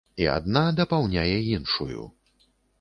І адна дапаўняе іншую.